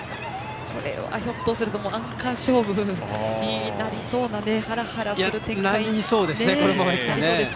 これはひょっとするとアンカー勝負になりそうなハラハラする展開もありそうです。